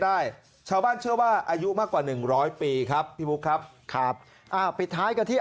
ได้ชาวบ้านเชื่อว่าอายุมากกว่าหนึ่งร้อยปีครับพี่บุ๊คครับครับอ่าปิดท้ายกันที่